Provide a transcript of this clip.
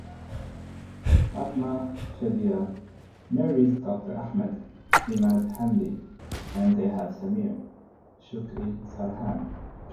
Fatma (Shadia) marries Doctor Ahmed (Emad Hamdy) and they have Samir (Shoukry Sarhan).